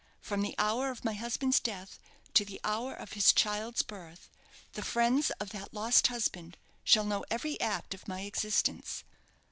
From the hour of my husband's death to the hour of his child's birth, the friends of that lost husband shall know every act of my existence.